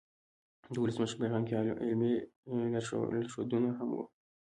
د ولسمشر پیغام کې علمي لارښودونه هم وو.